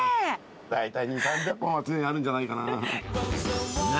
大体、２、３００本は常にあるんじゃないかな。